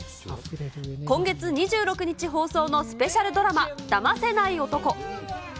今月２６日放送のスペシャルドラマ、ダマせない男。